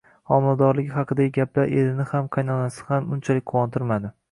Homiladorligi haqidagi gap erini ham, qaynonasini ham unchalik quvontirmadi